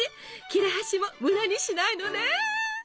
切れ端も無駄にしないのね！